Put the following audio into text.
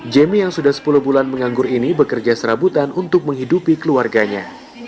jemi yang sudah sepuluh bulan menganggur ini bekerja serabutan untuk menghidupi keluarganya